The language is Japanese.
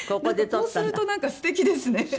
こうするとなんかすてきですね。